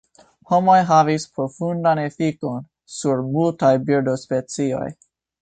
Homoj havis profundan efikon sur multaj birdospecioj.